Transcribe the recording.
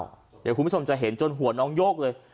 เดี๋ยวคุณผู้ชมจะเห็นจนหัวน้องโยกเลย